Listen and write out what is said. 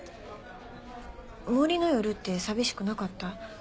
森の夜って寂しくなかった？